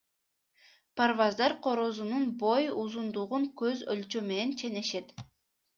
Парваздар корозунун бой узундугун көз өлчөм менен ченешет.